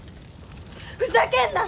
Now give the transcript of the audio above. ふざけんな！